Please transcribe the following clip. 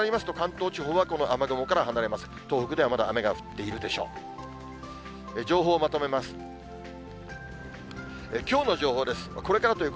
東北ではまだ雨が降っているでしょう。